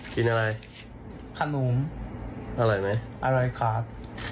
มิลโยงครับ